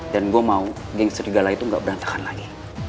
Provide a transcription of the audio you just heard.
dan gue mau geng serigala itu gak berantakan lagi